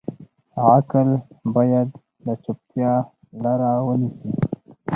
عقل باید د چوپتیا لاره ونیسي.